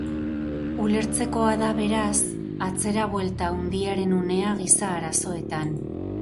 Ulertzekoa da, beraz, atzera-buelta handiaren unea giza arazoetan.